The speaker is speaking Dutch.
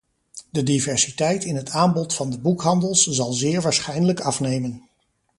De diversiteit in het aanbod van de boekhandels zal zeer waarschijnlijk afnemen.